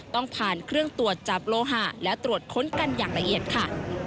ต้องผ่านเครื่องตรวจจับโลหะและตรวจค้นกันอย่างละเอียดค่ะ